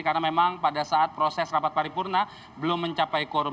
karena memang pada saat proses rapat paripurna belum mencapai quorum